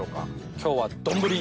今日は丼。